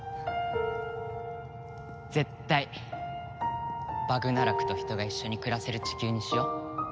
絶対バグナラクと人が一緒に暮らせるチキューにしよう。